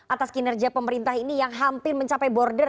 atas kinerja pemerintah ini yang hampir mencapai border